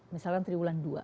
misalnya triwulan dua